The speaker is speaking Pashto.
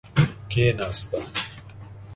کیناسته.